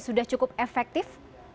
sudah cukup efektif